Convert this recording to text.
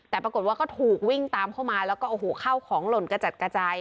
แต่ปรากฏว่าก็ถูกวิ่งตามเข้ามาแล้วก็โอ้โหเข้าของหล่นกระจัดกระจาย